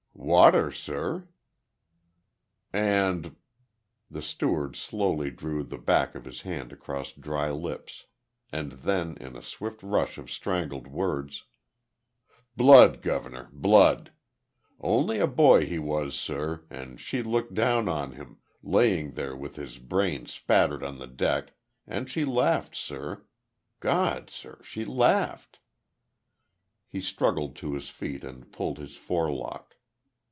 "Water, sir." "And ?" The steward slowly drew the back of his hand across dry lips. And then, in a swift rush of strangled words: "Blood, gov'ner. Blood.... Only a boy he was, sir, and she looked down on him, laying there with his brains spattered on the deck and she laughed, sir.... God, sir! She laughed...." He struggled to his feet and pulled his forelock.